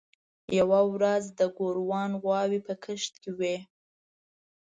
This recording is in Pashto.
یوه ورځ د ګوروان غواوې په کښت کې وې.